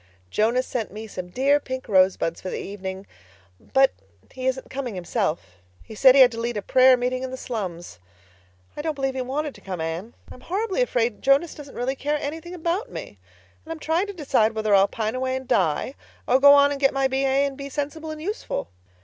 "Jonas sent me some dear pink rosebuds for the evening—but—he isn't coming himself. He said he had to lead a prayer meeting in the slums! I don't believe he wanted to come. Anne, I'm horribly afraid Jonas doesn't really care anything about me. And I'm trying to decide whether I'll pine away and die, or go on and get my B.A. and be sensible and useful."